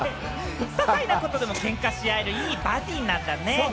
ささいなことでもけんかをし合える、いいバディーなんだね。